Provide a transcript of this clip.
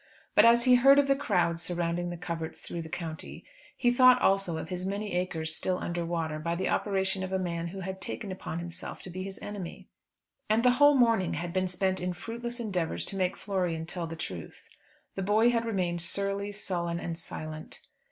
But as he heard of the crowds surrounding the coverts through the county, he thought also of his many acres still under water, by the operation of a man who had taken upon himself to be his enemy. And the whole morning had been spent in fruitless endeavours to make Florian tell the truth. The boy had remained surly, sullen, and silent.